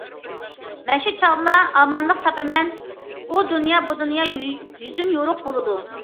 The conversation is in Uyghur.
مەن شۇ چاغدىلا ئامانلىق تاپىمەن، ئۇ دۇنيا- بۇ دۇنيا يۈزۈم يورۇق بولىدۇ.